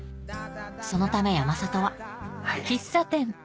そのため山里ははい。